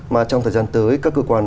mà trong thời gian tới các cơ quan